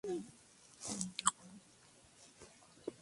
Intentó contentar a los dos soberanos; pero disgustó a los dos.